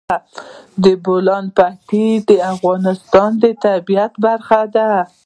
د بولان پټي د افغانستان د طبیعت برخه ده.